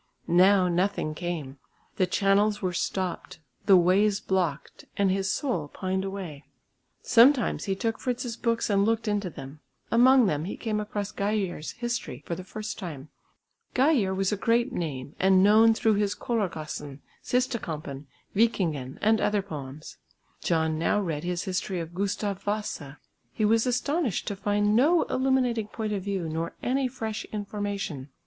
Now nothing came; the channels were stopped, the ways blocked, and his soul pined away. Sometimes he took Fritz's books and looked into them; among them he came across Geijer's History for the first time. Geijer was a great name and known through his "Kolargossen," "Sista Kampen," "Vikingen" and other poems. John now read his history of Gustav Vasa. He was astonished to find no illuminating point of view nor any fresh information.